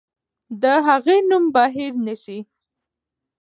د هغې نوم به هېر نه سي.